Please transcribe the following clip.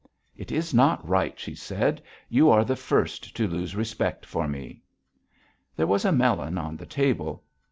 "It is not right," she said. "You are the first to lose respect for me." There was a melon on the table.